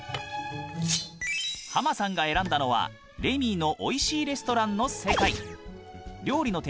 ハマさんが選んだのは「レミーのおいしいレストラン」の世界。